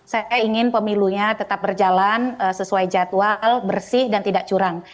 saya ingin pemilunya tetap berjalan sesuai jadwal bersih dan tidak curang